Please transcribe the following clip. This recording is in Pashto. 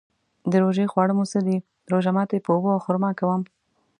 د روژې خواړه مو څه ده؟ روژه ماتی په اوبو او خرما کوم